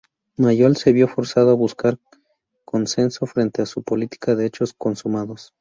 Mayol se vio forzada a buscar consenso frente a su política de hechos consumados.